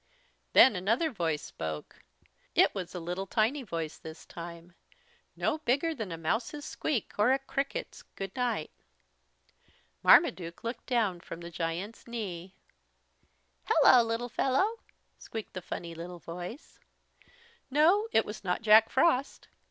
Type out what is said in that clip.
Then another voice spoke. It was a little tiny voice this time no bigger than a mouse's squeak or a cricket's "Good night." Marmaduke looked down from the giant's knee. "Hello, little fellow," squeaked the funny little voice. No, it was not Jack Frost.